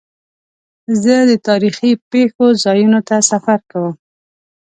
زه د تاریخي پېښو ځایونو ته سفر کوم.